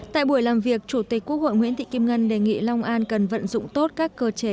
tại buổi làm việc chủ tịch quốc hội nguyễn thị kim ngân đề nghị long an cần vận dụng tốt các cơ chế